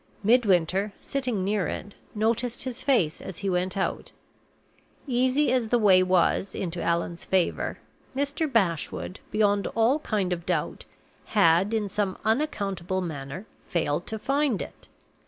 Midwinter, sitting near it, noticed his face as he went out. Easy as the way was into Allan's favor, Mr. Bashwood, beyond all kind of doubt, had in some unaccountable manner failed to find it!